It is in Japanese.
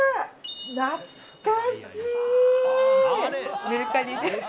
懐かしい。